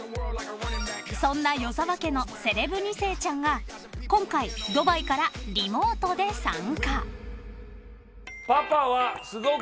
［そんな与沢家のセレブ２世ちゃんが今回ドバイからリモートで参加］